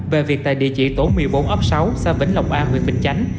về việc tại địa chỉ tổ một mươi bốn ấp sáu xã vĩnh lộc a huyện bình chánh